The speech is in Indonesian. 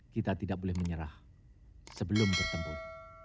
kita tidak boleh menyerah sebelum bertempur